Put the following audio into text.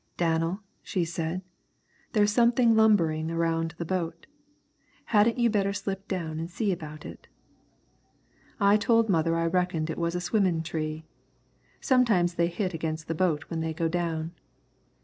'Danel,' she said, 'there's something lumbering around the boat. Hadn't you better slip down an' see about it?' I told mother I reckoned it was a swimmin' tree. Sometimes they hit against the boat when they go down.